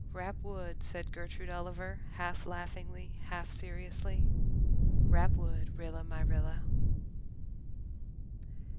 "Rap wood," said Gertrude Oliver, half laughingly, half seriously. "Rap wood, Rilla my Rilla."